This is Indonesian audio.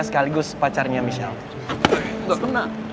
sekaligus pacarnya michelle